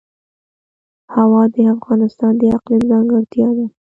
هوا د افغانستان د اقلیم ځانګړتیا ده.